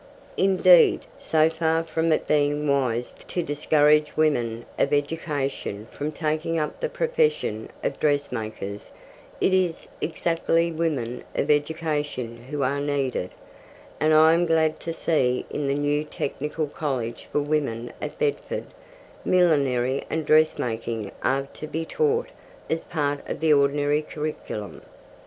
Indeed, so far from it being wise to discourage women of education from taking up the profession of dressmakers, it is exactly women of education who are needed, and I am glad to see in the new technical college for women at Bedford, millinery and dressmaking are to be taught as part of the ordinary curriculum.